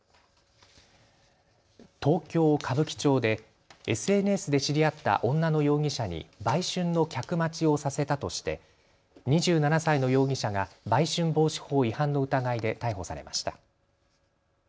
東京歌舞伎町でＳＮＳで知り合った女の容疑者に売春の客待ちをさせたとして２７歳の容疑者が売春防止法違反の疑いで逮捕されました。